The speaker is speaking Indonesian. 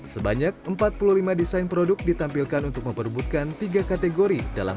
sebanyak empat puluh lima desain produk ditampilkan untuk memperbutkan tiga kategori dalam